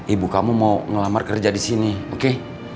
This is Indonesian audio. ibu kamu mau ngelamar kerja di sini oke